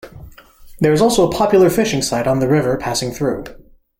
There is also a popular fishing site on the river passing through.